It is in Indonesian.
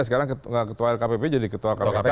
sekarang ketua lkpp jadi ketua kpk